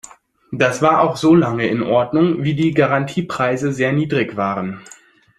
Das war auch so lange in Ordnung, wie die Garantiepreise sehr niedrig waren.